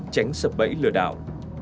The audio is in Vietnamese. tránh sập bẫy lừa đảo